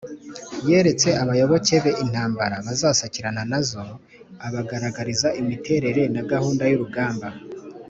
yeretse abayoboke be intambara bazasakirana na zo; abagaragariza imiterere na gahunda y’urugamba